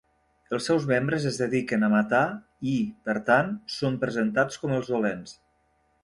Els seus membres es dediquen a matar i, per tant, són presentats com els dolents.